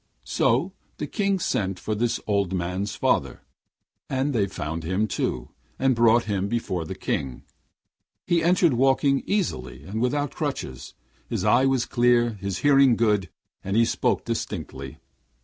So the King sent for this old man's father, and they found him too, and brought him before the King. He entered walking easily and without crutches: his eye was clear, his hearing good, and he spoke distinctly.